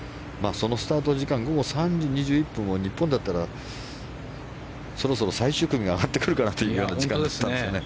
そのスタート時間午後３時２１分は日本だったら、そろそろ最終組が上がってくるかなというような時間だったんですね。